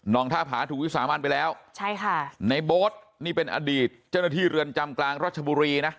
ท่าผาถูกวิสามันไปแล้วใช่ค่ะในโบ๊ทนี่เป็นอดีตเจ้าหน้าที่เรือนจำกลางรัชบุรีนะ